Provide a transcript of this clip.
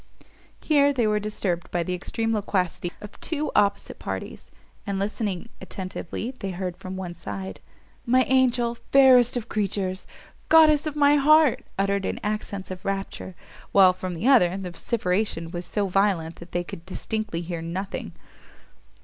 Here they were disturbed by the extreme loquacity of two opposite parties: and listening attentively, they heard from one side, "My angel! fairest of creatures! goddess of my heart!" uttered in accents of rapture; while from the other, the vociferation was so violent they could distinctly hear nothing.